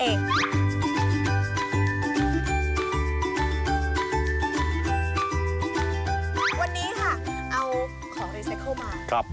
วันนี้ค่ะเอาของรีไซเคิลมา